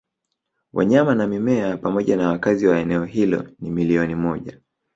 wanyama na mimea pamoja nawakazi wa eneo hilo ni milioni moja